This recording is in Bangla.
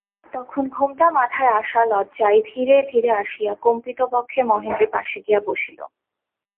তখন ঘোমটা-মাথায় আশা লজ্জায় ধীরে ধীরে আসিয়া কম্পিতবক্ষে মহেন্দ্রের পাশে গিয়া বসিল।